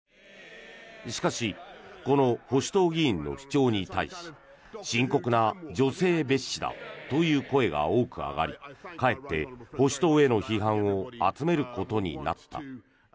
しかしこの保守党議員の主張に対し深刻な女性蔑視だという声が多く上がりかえって保守党への批判を集めることになった。